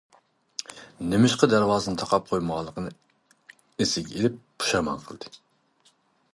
نېمىشقا دەرۋازىنى تاقاپ قويمىغانلىقىنى ئەسكە ئېلىپ پۇشايمان قىلدى.